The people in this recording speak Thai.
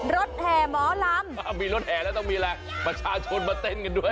แห่หมอลำมีรถแห่แล้วต้องมีอะไรประชาชนมาเต้นกันด้วย